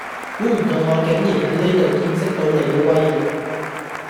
估唔到我竟然喺呢度見識到你既威力